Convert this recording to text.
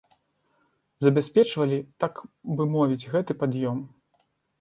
Забяспечвалі, так бы мовіць, гэты пад'ём.